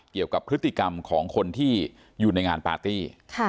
เกี่ยวกับพฤติกรรมของคนที่อยู่ในงานปาร์ตี้